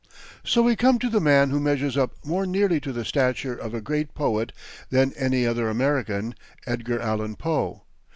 So we come to the man who measures up more nearly to the stature of a great poet than any other American Edgar Allan Poe.